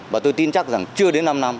và tôi tin chắc chưa đến năm năm